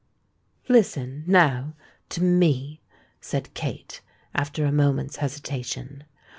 "Listen, now, to me," said Kate, after a moment's hesitation.